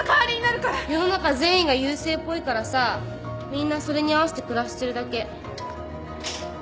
世の中善意が優勢っぽいからさみんなそれに合わして暮らしてるだけ。